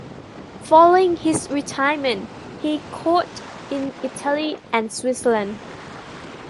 Following his retirement, he coached in Italy and Switzerland.